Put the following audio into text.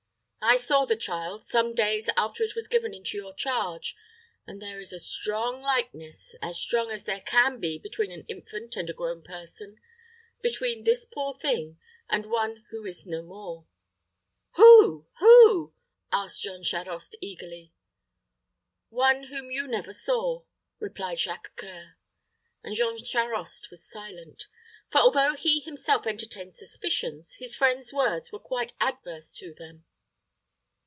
I saw the child, some days after it was given into your charge, and there is a strong likeness as strong as there can be between an infant and a grown person between this poor thing and one who is no more." "Who who?" asked Jean Charost, eagerly. "One whom you never saw," replied Jacques C[oe]ur; and Jean Charost was silent; for although he himself entertained suspicions, his friend's words were quite adverse to them.